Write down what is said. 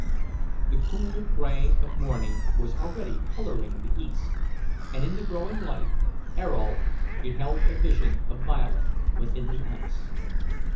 The cold grey of morning was already colouring the east, and in the growing light Ayrault beheld a vision of Violet within the ice.